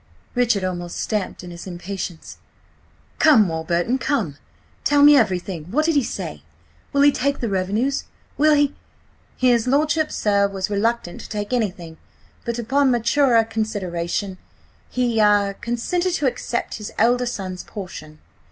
Richard almost stamped in his impatience. "Come, Warburton, come! Tell me everything. What did he say? Will he take the revenues? Will he—" "His lordship, sir, was reluctant to take anything, but upon maturer consideration, he–ah–consented to accept his elder son's portion.